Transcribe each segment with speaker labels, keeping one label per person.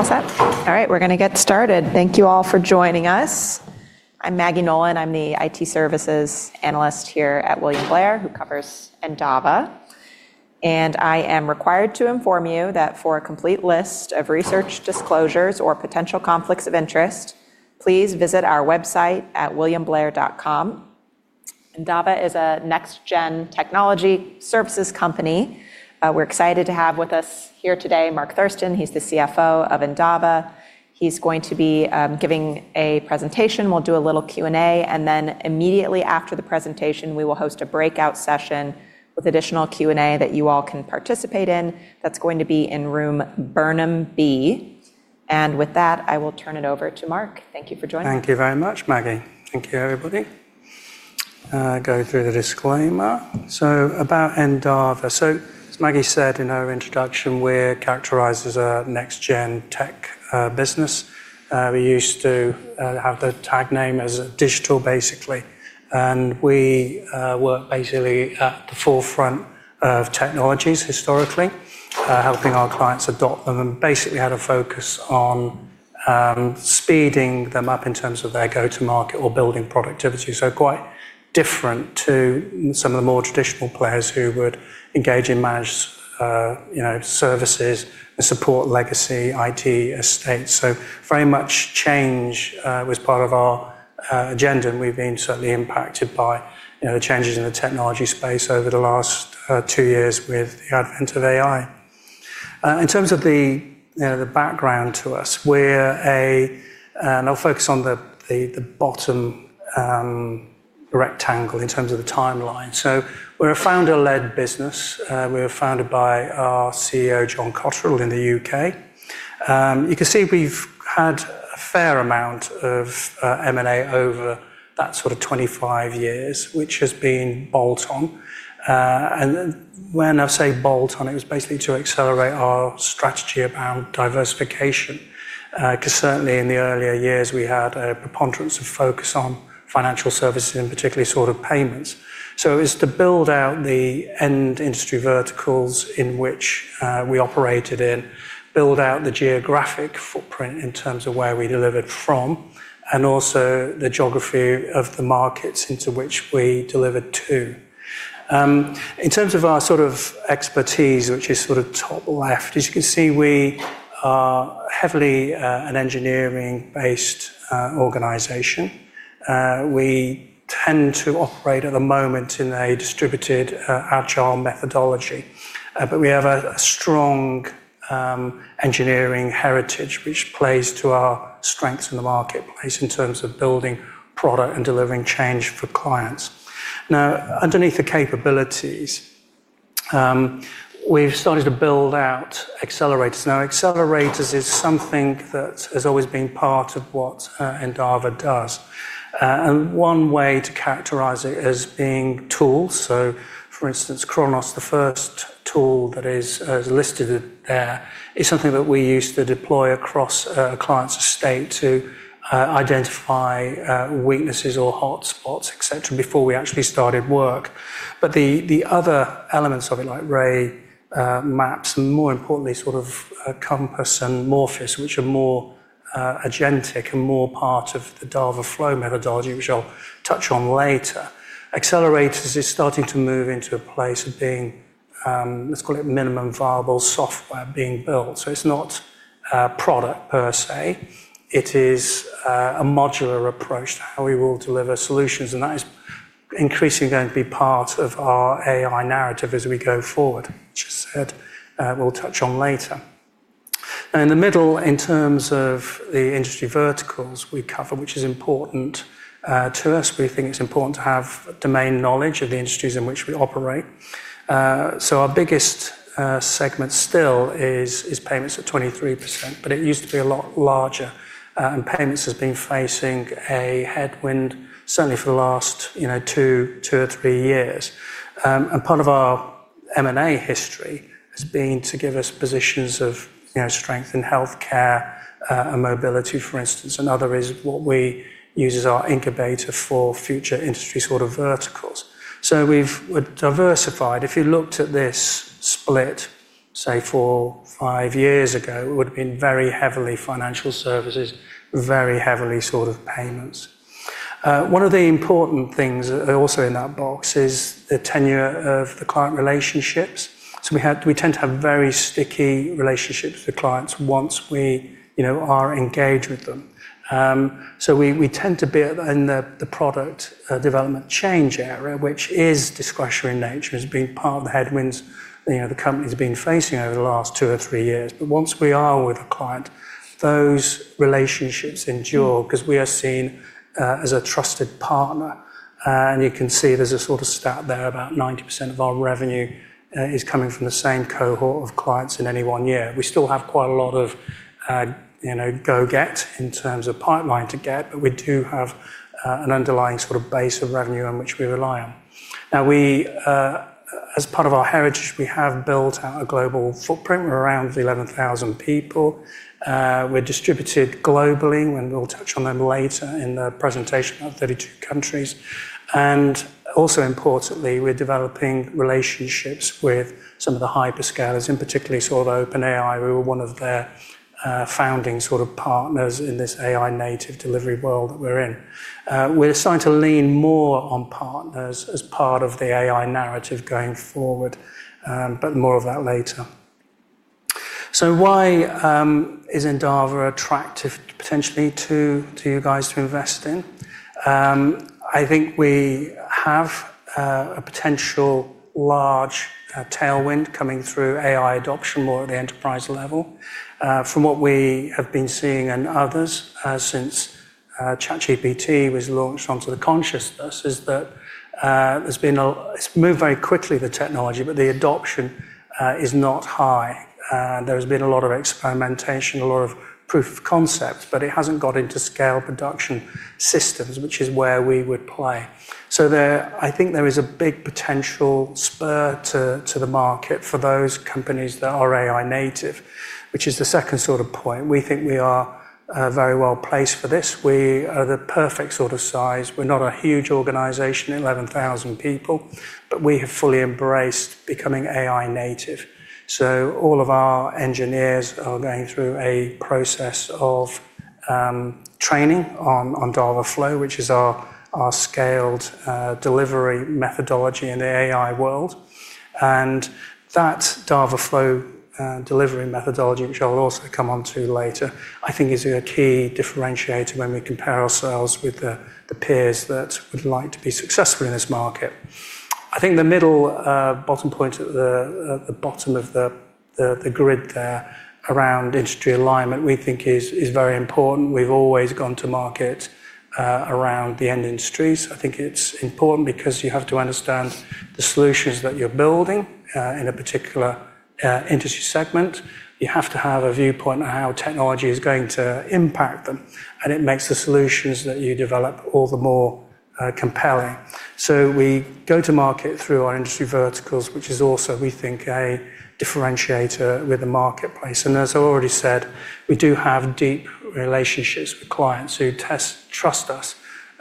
Speaker 1: All set? All right, we're going to get started. Thank you all for joining us. I'm Maggie Nolan. I'm the IT Services Analyst here at William Blair, who covers Endava. I am required to inform you that for a complete list of research disclosures or potential conflicts of interest, please visit our website at williamblair.com. Endava is a next-gen technology services company. We're excited to have with us here today Mark Thurston. He's the CFO of Endava. He's going to be giving a presentation. We'll do a little Q&A, and then immediately after the presentation, we will host a breakout session with additional Q&A that you all can participate in. That's going to be in room Burnham B. With that, I will turn it over to Mark. Thank you for joining.
Speaker 2: Thank you very much, Maggie. Thank you, everybody. Go through the disclaimer. About Endava. As Maggie said in her introduction, we're characterized as a next-gen tech business. We used to have the tag name as digital, basically. We work basically at the forefront of technologies historically, helping our clients adopt them and basically had a focus on speeding them up in terms of their go-to-market or building productivity. Quite different to some of the more traditional players who would engage in managed services and support legacy IT estates. Very much change was part of our agenda, and we've been certainly impacted by the changes in the technology space over the last two years with the advent of AI. In terms of the background to us, and I'll focus on the bottom rectangle in terms of the timeline. We're a founder-led business. We were founded by our CEO, John Cotterell, in the U.K. You can see we've had a fair amount of M&A over that sort of 25 years, which has been bolt-on. When I say bolt-on, it was basically to accelerate our strategy around diversification, because certainly in the earlier years, we had a preponderance of focus on financial services and particularly sort of payments. It was to build out the end industry verticals in which we operated in, build out the geographic footprint in terms of where we delivered from, and also the geography of the markets into which we delivered to. In terms of our expertise, which is sort of top left, as you can see, we are heavily an engineering-based organization. We tend to operate at the moment in a distributed agile methodology, but we have a strong engineering heritage, which plays to our strengths in the marketplace in terms of building product and delivering change for clients. Underneath the capabilities, we've started to build out accelerators. Accelerators is something that has always been part of what Endava does, and one way to characterize it as being tools. For instance, Chronos, the first tool that is listed there, is something that we used to deploy across a client's estate to identify weaknesses or hotspots, et cetera, before we actually started work. The other elements of it, like Ray, Maps, and more importantly, sort of Compass and Morpheus, which are more agentic and more part of the Dava.Flow methodology, which I'll touch on later. Accelerators is starting to move into a place of being, let's call it minimum viable software being built. It's not a product per se. It is a modular approach to how we will deliver solutions, and that is increasingly going to be part of our AI narrative as we go forward, which as I said, we'll touch on later. In the middle, in terms of the industry verticals we cover, which is important to us, we think it's important to have domain knowledge of the industries in which we operate. Our biggest segment still is payments at 23%, but it used to be a lot larger, and payments has been facing a headwind certainly for the last two or three years. Part of our M&A history has been to give us positions of strength in healthcare and mobility, for instance. Another is what we use as our incubator for future industry sort of verticals. We've diversified. If you looked at this split, say four, five years ago, it would've been very heavily financial services, very heavily sort of payments. One of the important things also in that box is the tenure of the client relationships. We tend to have very sticky relationships with clients once we are engaged with them. We tend to be in the product development change area, which is discretionary in nature, has been part of the headwinds the company's been facing over the last two or three years. Once we are with a client, those relationships endure because we are seen as a trusted partner. You can see there's a sort of stat there, about 90% of our revenue is coming from the same cohort of clients in any one year. We still have quite a lot of go get in terms of pipeline to get, but we do have an underlying sort of base of revenue on which we rely on. As part of our heritage, we have built out a global footprint. We're around 11,000 people. We're distributed globally, we'll touch on them later in the presentation, about 32 countries. Also importantly, we're developing relationships with some of the hyperscalers, in particularly sort of OpenAI, who are one of their founding sort of partners in this AI native delivery world that we're in. We're starting to lean more on partners as part of the AI narrative going forward, more of that later. Why is Endava attractive potentially to you guys to invest in? I think we have a potential large tailwind coming through AI adoption more at the enterprise level. From what we have been seeing and others, since ChatGPT was launched onto the consciousness, is that it's moved very quickly, the technology, but the adoption is not high. There has been a lot of experimentation, a lot of proof of concepts, but it hasn't got into scale production systems, which is where we would play. I think there is a big potential spur to the market for those companies that are AI native, which is the second point. We think we are very well-placed for this. We are the perfect size. We're not a huge organization, 11,000 people, but we have fully embraced becoming AI native. All of our engineers are going through a process of training on Dava.Flow, which is our scaled delivery methodology in the AI world. That Dava.Flow delivery methodology, which I'll also come onto later, I think is a key differentiator when we compare ourselves with the peers that would like to be successful in this market. I think the middle bottom point at the bottom of the grid there around industry alignment, we think is very important. We've always gone to market around the end industries. I think it's important because you have to understand the solutions that you're building in a particular industry segment. You have to have a viewpoint on how technology is going to impact them, and it makes the solutions that you develop all the more compelling. We go-to-market through our industry verticals, which is also, we think, a differentiator with the marketplace. As I already said, we do have deep relationships with clients who trust us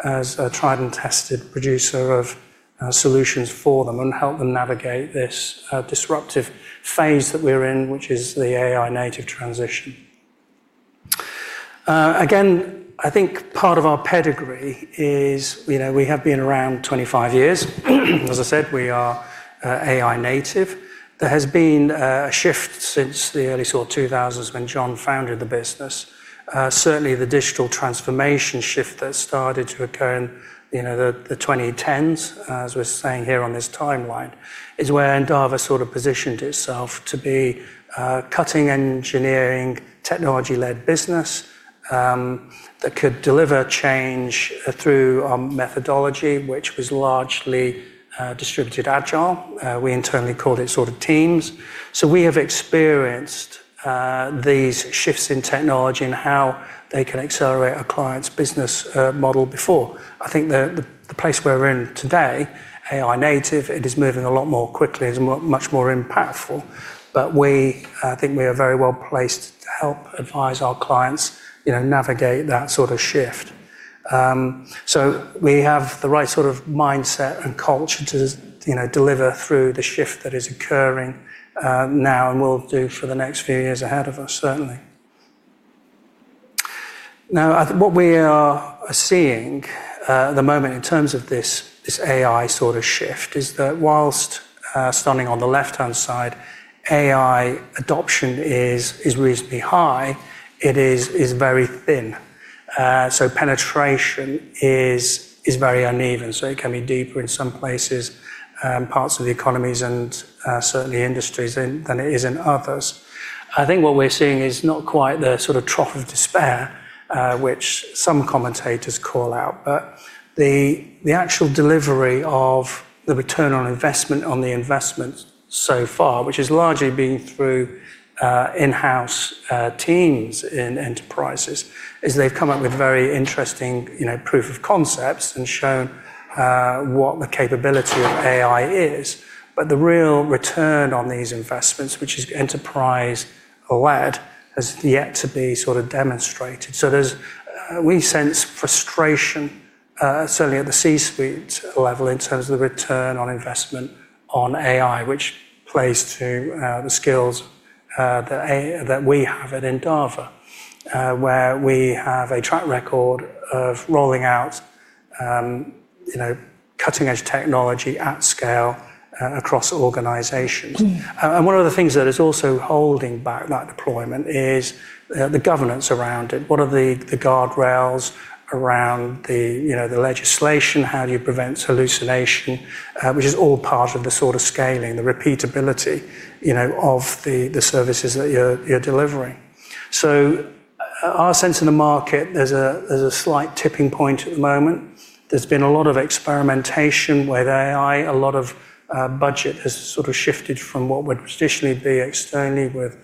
Speaker 2: as a tried and tested producer of solutions for them and help them navigate this disruptive phase that we're in, which is the AI-native transition. Again, I think part of our pedigree is we have been around 25 years. As I said, we are AI-native. There has been a shift since the early 2000s when John founded the business. Certainly, the digital transformation shift that started to occur in the 2010s, as we're saying here on this timeline, is where Endava positioned itself to be a cutting engineering technology-led business that could deliver change through our methodology, which was largely distributed agile. We internally called it teams. We have experienced these shifts in technology and how they can accelerate a client's business model before. I think the place we're in today, AI native, it is moving a lot more quickly and much more impactful. We think we are very well-placed to help advise our clients navigate that shift. We have the right mindset and culture to deliver through the shift that is occurring now and will do for the next few years ahead of us, certainly. What we are seeing at the moment in terms of this AI shift is that whilst, starting on the left-hand side, AI adoption is reasonably high, it is very thin. Penetration is very uneven, so it can be deeper in some places, parts of the economies and certainly industries than it is in others. I think what we're seeing is not quite the trough of despair, which some commentators call out. The actual delivery of the return on investment on the investment so far, which has largely been through in-house teams in enterprises, is they've come up with very interesting proof of concepts and shown what the capability of AI is. The real return on these investments, which is enterprise-led, has yet to be demonstrated. We sense frustration, certainly at the C-suite level in terms of the return on investment on AI, which plays to the skills that we have at Endava, where we have a track record of rolling out cutting-edge technology at scale across organizations. One of the things that is also holding back that deployment is the governance around it. What are the guardrails around the legislation? How do you prevent hallucination, which is all part of the scaling, the repeatability of the services that you're delivering. Our sense in the market, there's a slight tipping point at the moment. There's been a lot of experimentation with AI. A lot of budget has shifted from what would traditionally be externally with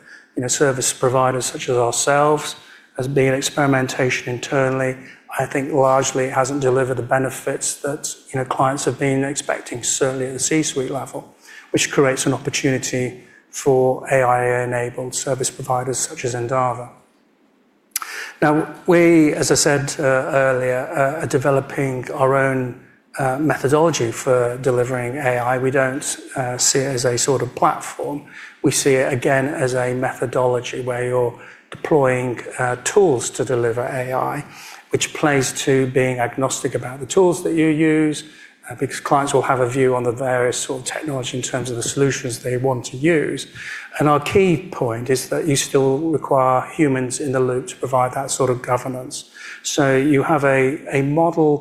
Speaker 2: service providers such as ourselves, has been experimentation internally. I think largely it hasn't delivered the benefits that clients have been expecting, certainly at the C-suite level, which creates an opportunity for AI-enabled service providers such as Endava. We, as I said earlier, are developing our own methodology for delivering AI. We don't see it as a platform. We see it, again, as a methodology where you're deploying tools to deliver AI, which plays to being agnostic about the tools that you use, because clients will have a view on the various technology in terms of the solutions they want to use. Our key point is that you still require humans in the loop to provide that sort of governance. You have a model,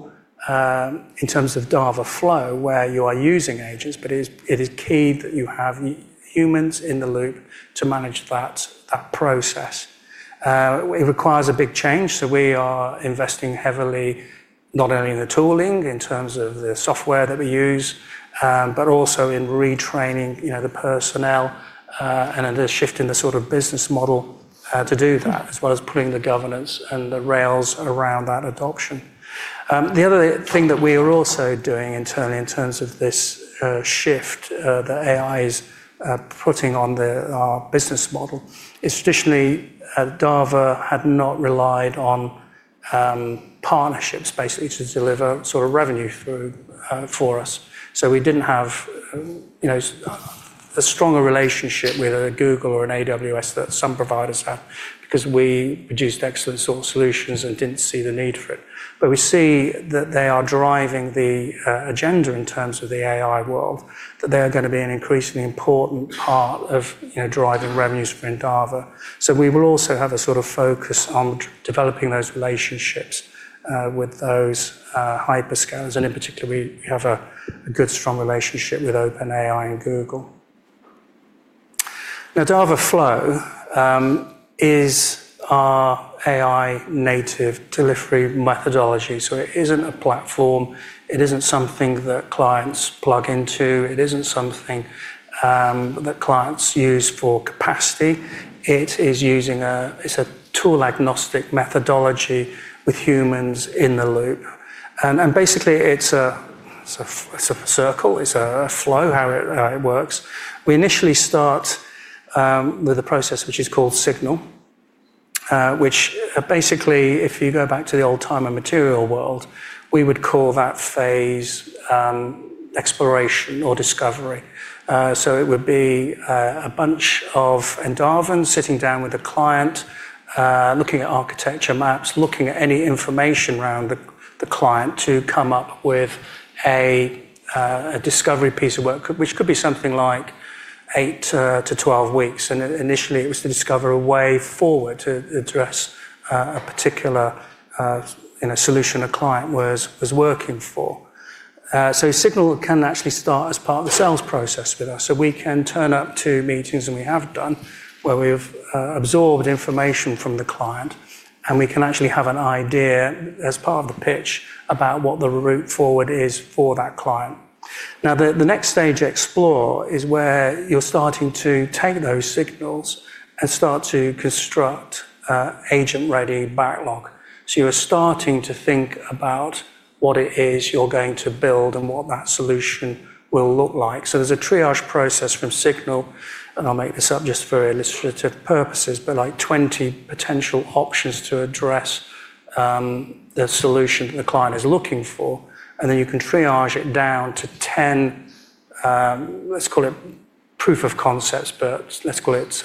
Speaker 2: in terms of Dava.Flow, where you are using agents, but it is key that you have humans in the loop to manage that process. It requires a big change, so we are investing heavily not only in the tooling in terms of the software that we use, but also in retraining the personnel, and then shifting the sort of business model to do that, as well as putting the governance and the rails around that adoption. The other thing that we are also doing internally in terms of this shift that AI is putting on our business model is traditionally, Endava had not relied on partnerships basically to deliver revenue for us. We didn't have a stronger relationship with a Google or an AWS that some providers have because we produced excellent solutions and didn't see the need for it. We see that they are driving the agenda in terms of the AI world, that they are going to be an increasingly important part of driving revenues for Endava. We will also have a focus on developing those relationships with those hyperscalers, and in particular, we have a good, strong relationship with OpenAI and Google. Dava.Flow is our AI-native delivery methodology. It isn't a platform. It isn't something that clients plug into. It isn't something that clients use for capacity. It's a tool-agnostic methodology with humans in the loop. Basically, it's a circle. It's a flow how it works. We initially start with a process which is called Signal, which basically, if you go back to the old time and material world, we would call that phase exploration or discovery. It would be a bunch of Endavans sitting down with a client, looking at architecture maps, looking at any information around the client to come up with a discovery piece of work, which could be something like 8-12 weeks. Initially, it was to discover a way forward to address a particular solution a client was working for. Signal can actually start as part of the sales process with us. We can turn up to meetings, and we have done, where we've absorbed information from the client, and we can actually have an idea as part of the pitch about what the route forward is for that client. The next stage, Explore, is where you're starting to take those Signals and start to construct agent-ready backlog. You are starting to think about what it is you're going to build and what that solution will look like. There's a triage process from Signal. I'll make this up just for illustrative purposes, 20 potential options to address the solution the client is looking for. You can triage it down to 10, let's call it proof of concepts, let's call it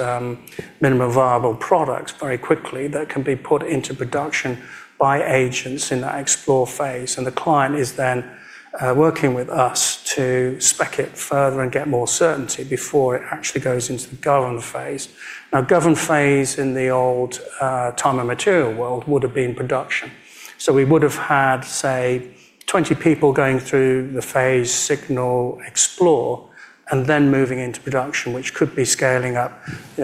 Speaker 2: minimum viable products very quickly that can be put into production by agents in that Explore phase. The client is then working with us to spec it further and get more certainty before it actually goes into the Govern phase. Govern phase in the old time and material world would have been production. We would have had, say, 20 people going through the phase Signal, Explore, and then moving into production, which could be scaling up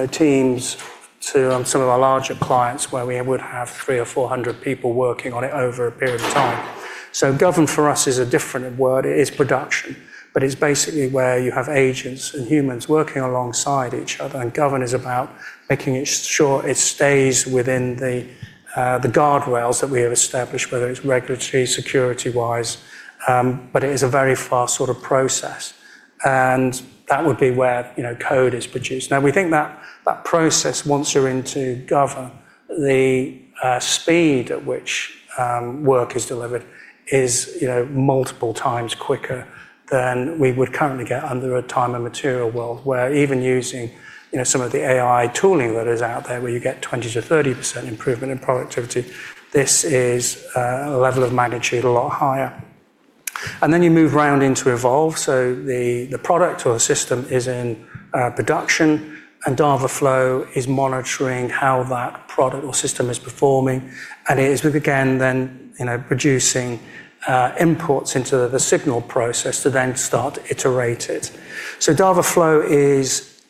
Speaker 2: teams to some of our larger clients where we would have 300 or 400 people working on it over a period of time. Govern for us is a different word. It is production. It's basically where you have agents and humans working alongside each other, and Govern is about making sure it stays within the guardrails that we have established, whether it's regulatory, security-wise. It is a very fast process. That would be where code is produced. We think that that process, once you're into Govern, the speed at which work is delivered is multiple times quicker than we would currently get under a time and material world where even using some of the AI tooling that is out there where you get 20%-30% improvement in productivity. This is a level of magnitude a lot higher. You move round into Evolve. The product or system is in production, and Dava.Flow is monitoring how that product or system is performing. We began then producing imports into the Signal process to then start to iterate it. Dava.Flow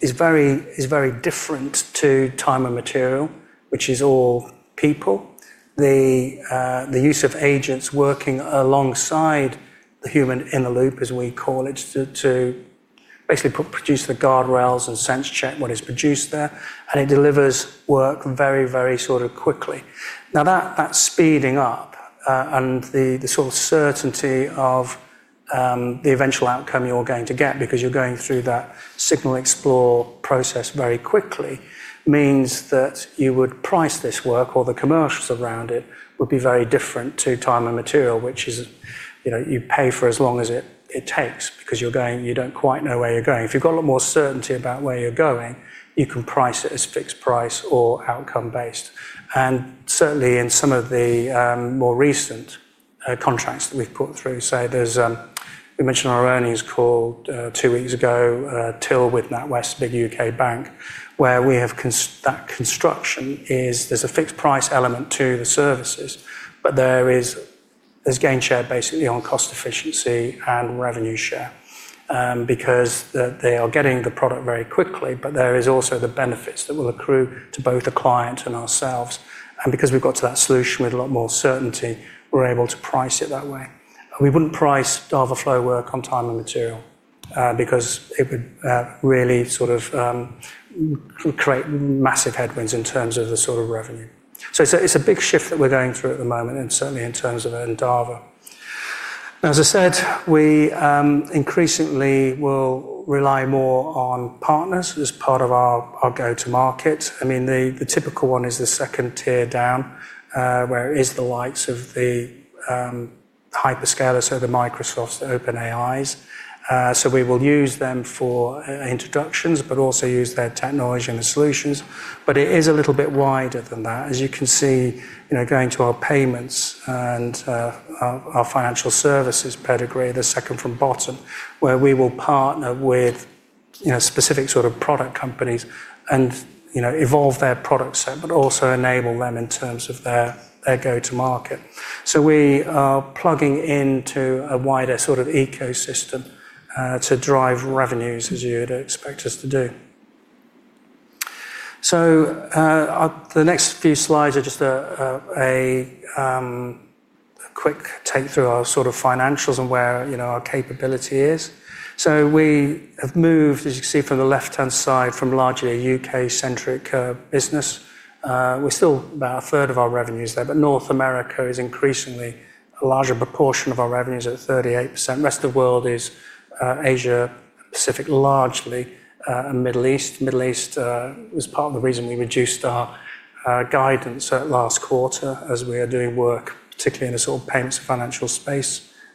Speaker 2: is very different to time and material, which is all people. The use of agents working alongside the human in the loop, as we call it, to basically produce the guardrails and sense check what is produced there, and it delivers work very quickly. That speeding up and the sort of certainty of the eventual outcome you're going to get because you're going through that Signal, Explore process very quickly means that you would price this work or the commercials around it would be very different to Time and Materials, which is you pay for as long as it takes because you don't quite know where you're going. If you've got a lot more certainty about where you're going, you can price it as fixed price or outcome based. Certainly in some of the more recent contracts that we've put through. We mentioned our earnings call two weeks ago, Tyl with NatWest, a big U.K. bank, where that construction is there's a fixed price element to the services, but there's gain share basically on cost efficiency and revenue share, because they are getting the product very quickly, but there is also the benefits that will accrue to both the client and ourselves. Because we've got to that solution with a lot more certainty, we're able to price it that way. We wouldn't price Dava.Flow work on time and material, because it would really sort of create massive headwinds in terms of the sort of revenue. It's a big shift that we're going through at the moment, and certainly in terms of Endava. Now as I said, we increasingly will rely more on partners as part of our go-to-market. I mean, the typical one is the second tier down, where it is the likes of the hyperscaler, the Microsofts, the OpenAIs. We will use them for introductions, but also use their technology and the solutions. It is a little bit wider than that. As you can see, going to our payments and our financial services pedigree, the second from bottom, where we will partner with specific sort of product companies and evolve their product set, but also enable them in terms of their go-to-market. We are plugging into a wider sort of ecosystem to drive revenues as you'd expect us to do. The next few slides are just a quick take through our sort of financials and where our capability is. We have moved, as you can see from the left-hand side, from largely a U.K.-centric business. We're still about 1/3 of our revenues there. North America is increasingly a larger proportion of our revenues at 38%. Rest of world is Asia Pacific largely, and Middle East. Middle East was part of the reason we reduced our guidance at last quarter as we are doing work, particularly in the sort of payments and financial space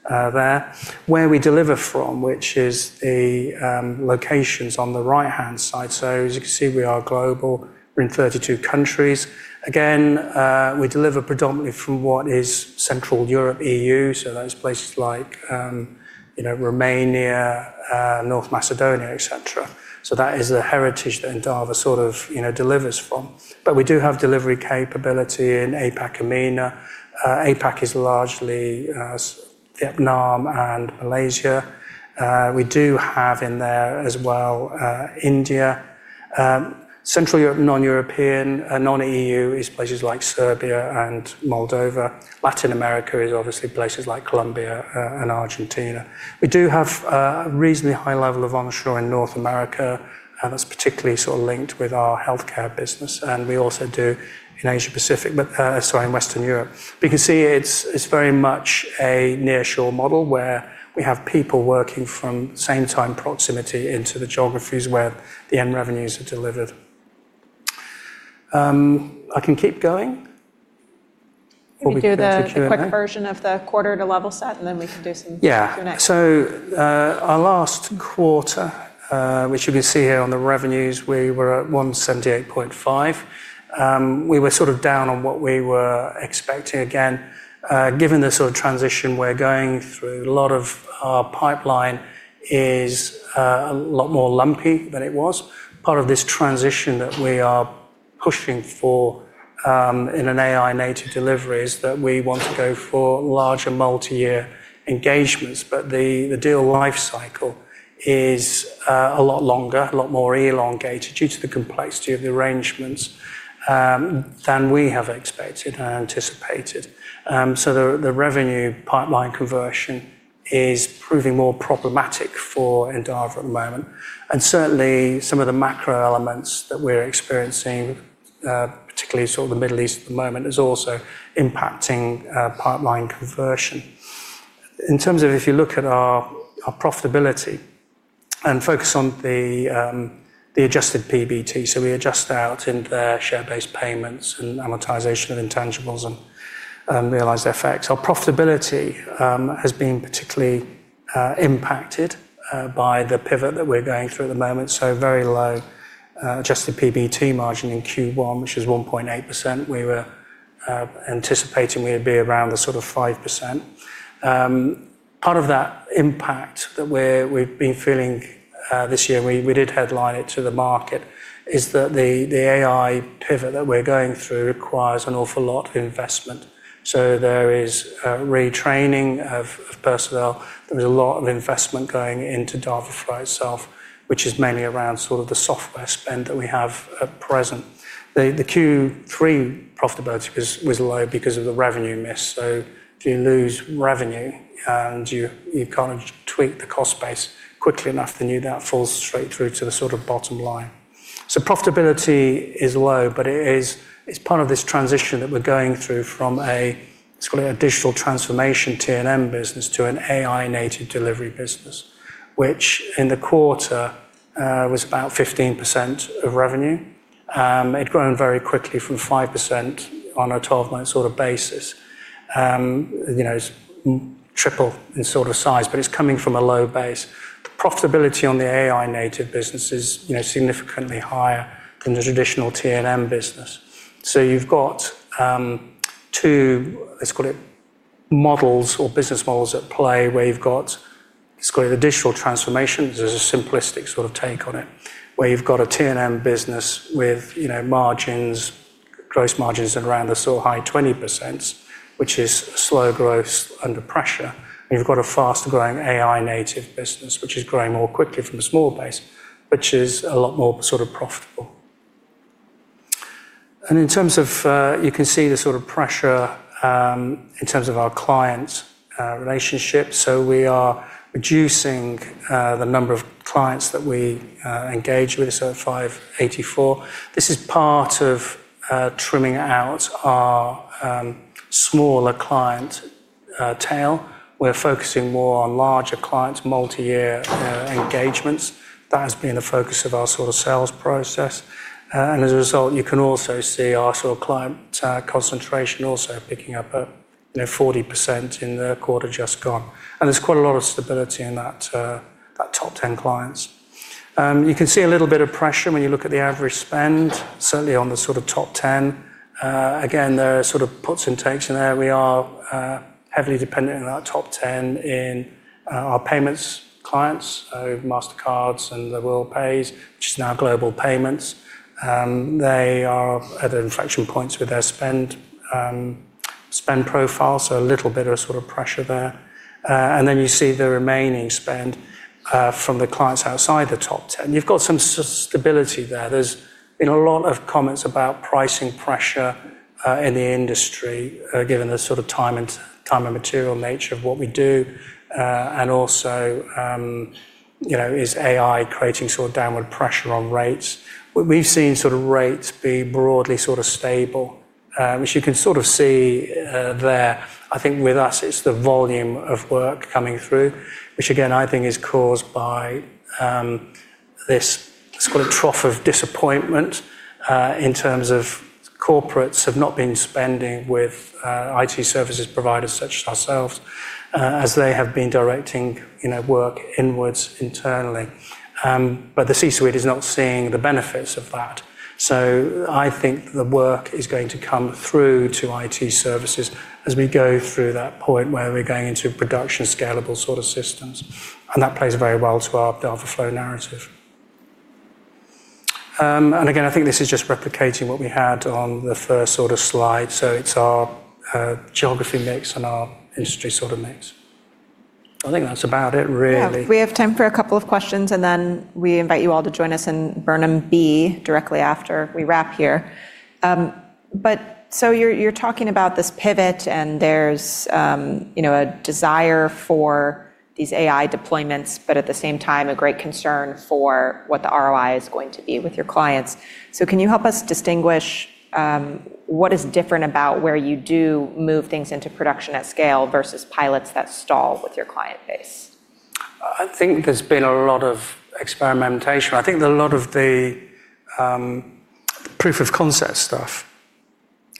Speaker 2: there. Where we deliver from, which is the locations on the right-hand side. As you can see, we are global. We're in 32 countries. Again, we deliver predominantly from what is Central Europe, EU. Those places like Romania, North Macedonia, et cetera. That is the heritage that Endava sort of delivers from. We do have delivery capability in APAC, EMEA. APAC is largely Vietnam and Malaysia. We do have in there as well India. Central Europe, non-European and non-EU is places like Serbia and Moldova. Latin America is obviously places like Colombia and Argentina. We do have a reasonably high level of onshore in North America, and that's particularly sort of linked with our healthcare business, and we also do in Asia Pacific. Sorry, in Western Europe. You can see it's very much a nearshore model where we have people working from same time proximity into the geographies where the end revenues are delivered. I can keep going, or we can take a quick-
Speaker 1: Can we do the quick version of the quarter to level set, and then we can do some Q&A?
Speaker 2: Yeah. Our last quarter, which you can see here on the revenues, we were at 178.5. We were sort of down on what we were expecting. Again, given the sort of transition we're going through, a lot of our pipeline is a lot more lumpy than it was. Part of this transition that we are pushing for in an AI-native delivery is that we want to go for larger multi-year engagements. The deal lifecycle is a lot longer, a lot more elongated due to the complexity of the arrangements than we have expected and anticipated. The revenue pipeline conversion is proving more problematic for Endava at the moment, and certainly some of the macro elements that we're experiencing, particularly sort of the Middle East at the moment, is also impacting pipeline conversion. In terms of if you look at our profitability and focus on the adjusted PBT, so we adjust out in there share-based payments and amortization of intangibles and realized effects. Our profitability has been particularly impacted by the pivot that we're going through at the moment. Very low adjusted PBT margin in Q1, which is 1.8%. We were anticipating we'd be around the sort of 5%. Part of that impact that we've been feeling this year, we did headline it to the market, is that the AI pivot that we're going through requires an awful lot of investment. There is retraining of personnel. There is a lot of investment going into Dava.Flow itself, which is mainly around sort of the software spend that we have at present. The Q3 profitability was low because of the revenue miss. If you lose revenue and you can't tweak the cost base quickly enough, then that falls straight through to the sort of bottom line. Profitability is low, but it's part of this transition that we're going through from a, let's call it, a Digital transformation T&M business to an AI-native delivery business, which in the quarter was about 15% of revenue. It had grown very quickly from 5% on a 12-month sort of basis. It's triple in sort of size, but it's coming from a low base. The profitability on the AI-native business is significantly higher than the traditional T&M business. You've got two models or business models at play where you've got, let's call it a Digital transformation as a simplistic sort of take on it. You've got a T&M business with margins, gross margins at around the sort of high 20%, which is slow growth under pressure. You've got a fast-growing AI-native business, which is growing more quickly from a small base, which is a lot more profitable. In terms of, you can see the sort of pressure in terms of our clients' relationships. We are reducing the number of clients that we engage with, so 584. This is part of trimming out our smaller client tail. We're focusing more on larger clients, multi-year engagements. That has been the focus of our sort of sales process. As a result, you can also see our sort of client concentration also picking up at 40% in the quarter just gone. There's quite a lot of stability in that top 10 clients. You can see a little bit of pressure when you look at the average spend, certainly on the sort of top 10. There are sort of puts and takes in there. We are heavily dependent on our top 10 in our payments clients, Mastercard and Worldpay, which is now Global Payments. They are at inflection points with their spend profile, so a little bit of a sort of pressure there. You see the remaining spend from the clients outside the top 10. You've got some stability there. There's been a lot of comments about pricing pressure in the industry, given the sort of time and material nature of what we do. Is AI creating sort of downward pressure on rates? We've seen rates be broadly stable, which you can sort of see there. I think with us, it's the volume of work coming through, which again, I think is caused by this, let's call it a trough of disappointment, in terms of corporates have not been spending with IT services providers such as ourselves, as they have been directing work inwards internally. The C-suite is not seeing the benefits of that. I think the work is going to come through to IT services as we go through that point where we're going into production scalable sort of systems, and that plays very well to our Dava.Flow narrative. Again, I think this is just replicating what we had on the first sort of slide. It's our geography mix and our industry sort of mix. I think that's about it really.
Speaker 1: Yeah. We have time for a couple of questions, and then we invite you all to join us in Burnham B directly after we wrap here. You're talking about this pivot, and there's a desire for these AI deployments, but at the same time, a great concern for what the ROI is going to be with your clients. Can you help us distinguish what is different about where you do move things into production at scale versus pilots that stall with your client base?
Speaker 2: I think there's been a lot of experimentation. I think that a lot of the proof of concept stuff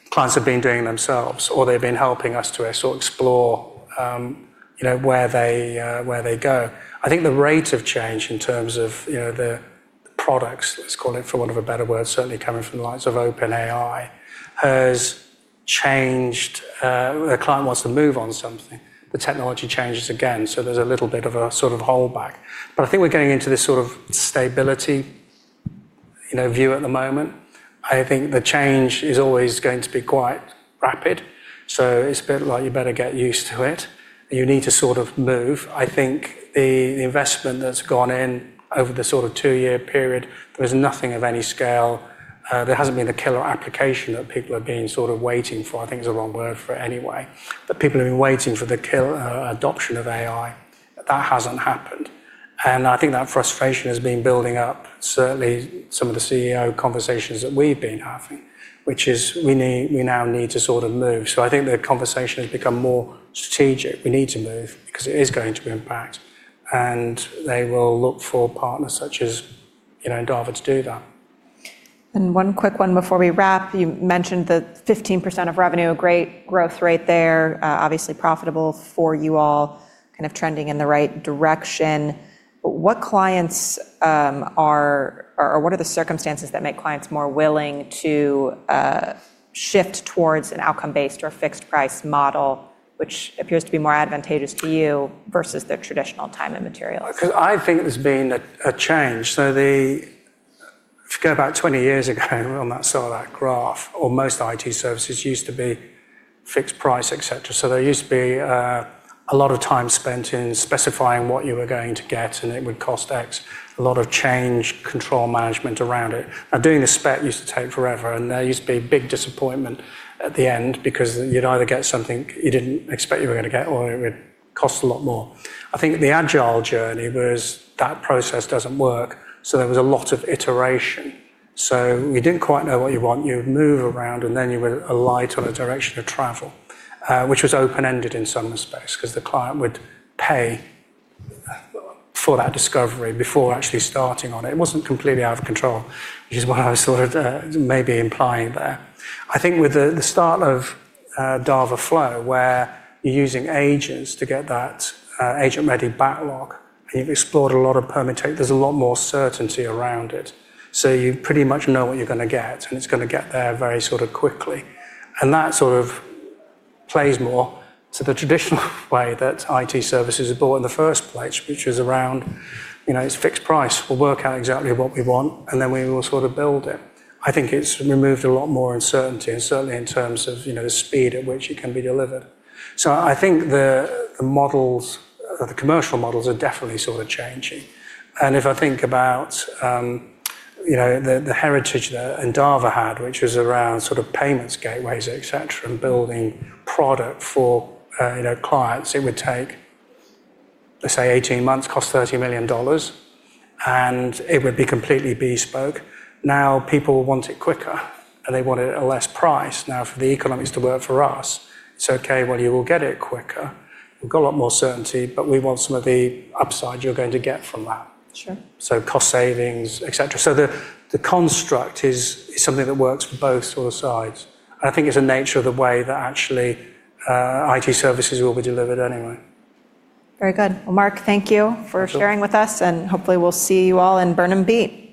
Speaker 2: clients have been doing themselves, or they've been helping us to Explore where they go. I think the rate of change in terms of the products, let's call it, for want of a better word, certainly coming from the likes of OpenAI, has changed. A client wants to move on something, the technology changes again. There's a little bit of a sort of hold back. I think we're getting into this sort of stability view at the moment. I think the change is always going to be quite rapid. It's a bit like you better get used to it. You need to sort of move. I think the investment that's gone in over the sort of two-year period, there was nothing of any scale. There hasn't been a killer application that people have been sort of waiting for, I think is the wrong word for it anyway. People have been waiting for the adoption of AI. That hasn't happened. I think that frustration has been building up, certainly some of the CEO conversations that we've been having. We now need to sort of move. I think the conversation has become more strategic. We need to move because it is going to impact, and they will look for partners such as Endava to do that.
Speaker 1: One quick one before we wrap. You mentioned the 15% of revenue, great growth rate there, obviously profitable for you all, kind of trending in the right direction. What are the circumstances that make clients more willing to shift towards an outcome-based or fixed price model, which appears to be more advantageous to you versus the traditional Time and Materials?
Speaker 2: I think there's been a change. If you go back 20 years ago on that sort of that graph, or most IT services used to be fixed price, et cetera. There used to be a lot of time spent in specifying what you were going to get, and it would cost X, a lot of change control management around it. Doing the spec used to take forever, and there used to be big disappointment at the end because you'd either get something you didn't expect you were going to get, or it would cost a lot more. I think the agile journey was that process doesn't work, so there was a lot of iteration. You didn't quite know what you want. You would move around, and then you would alight on a direction of travel, which was open-ended in some respects because the client would pay for that discovery before actually starting on it. It wasn't completely out of control, which is what I was sort of maybe implying there. I think with the start of Dava.Flow, where you're using agents to get that agent-ready backlog, and you've explored a lot of prompting, there's a lot more certainty around it. You pretty much know what you're going to get, and it's going to get there very sort of quickly. That sort of plays more to the traditional way that IT services are bought in the first place, which is around it's fixed price. We'll work out exactly what we want, and then we will sort of build it. I think it's removed a lot more uncertainty, and certainly in terms of the speed at which it can be delivered. I think the models, the commercial models are definitely sort of changing. If I think about the heritage that Endava had, which was around sort of payments gateways, et cetera, and building product for clients. It would take, let's say, 18 months, cost GBP 30 million, and it would be completely bespoke. Now people want it quicker, and they want it at a less price. Now for the economics to work for us, it's okay, well, you will get it quicker. We've got a lot more certainty, but we want some of the upside you're going to get from that.
Speaker 1: Sure.
Speaker 2: Cost savings, et cetera. The construct is something that works for both sort of sides. I think it's the nature of the way that actually IT services will be delivered anyway.
Speaker 1: Very good. Well, Mark, thank you for sharing with us, and hopefully we'll see you all in Burnham B.
Speaker 2: Cheers.